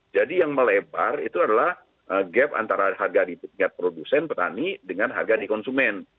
jadi yang melebar itu adalah gap antara harga di tingkat produsen petani dengan harga di konsumen